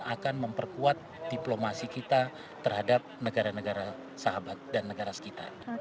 akan memperkuat diplomasi kita terhadap negara negara sahabat dan negara sekitar